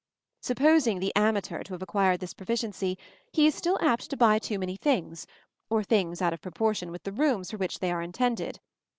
Supposing the amateur to have acquired this proficiency, he is still apt to buy too many things, or things out of proportion with the rooms for which they are intended.